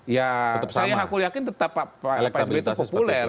ya saya aku yakin tetap pak sby itu populer